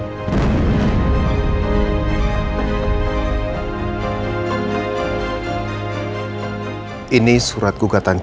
yang menrisik gambarnya